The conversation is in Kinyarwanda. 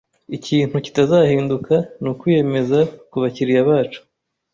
Ikintu kitazahinduka nukwiyemeza kubakiriya bacu.